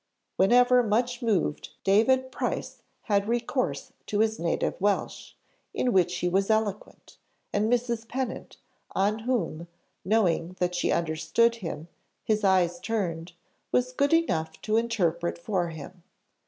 Whenever much moved, David Price had recourse to his native Welsh, in which he was eloquent; and Mrs. Pennant, on whom, knowing that she understood him, his eyes turned, was good enough to interpret for him.